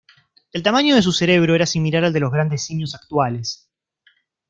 El tamaño de su cerebro era similar al de los grandes simios actuales.